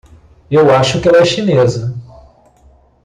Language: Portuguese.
Eu acho que ela é chinesa.